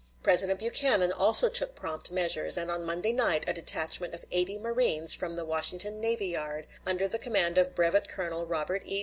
President Buchanan also took prompt measures; and on Monday night a detachment of eighty marines from the Washington navy yard, under command of Brevet Colonel Robert E.